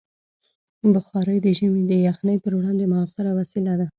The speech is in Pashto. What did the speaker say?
بخاري د ژمي د یخنۍ پر وړاندې مؤثره وسیله ده.